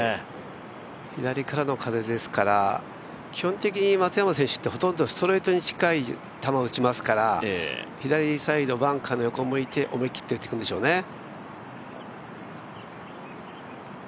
左からの風ですから基本的に松山選手ってほとんどストレートに近い球を打ちますから左サイド、バンカーの横に向いて思い切って打ってくるんでしょうね。